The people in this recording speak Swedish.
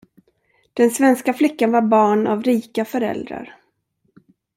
Den svenska flickan var barn av rika föräldrar.